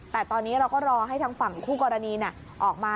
แต่ตอนนี้เราก็รอให้ทางฝั่งคู่กรณีออกมา